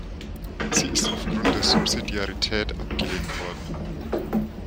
Sie ist aufgrund der Subsidiarität abgelehnt worden.